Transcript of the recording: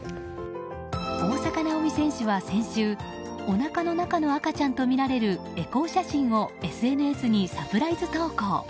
大坂なおみ選手は先週おなかの中の赤ちゃんとみられるエコー写真をＳＮＳにサプライズ投稿。